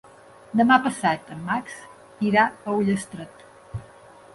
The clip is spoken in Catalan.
Demà passat en Max irà a Ullastret.